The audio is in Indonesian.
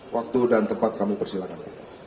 waktu dan tempat kami persilakan